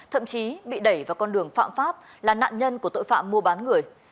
thậm chí bị đẩy vào con đường phạm pháp là nạn nhân của tội phạm mua bán người